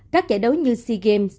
các giải đấu như sea games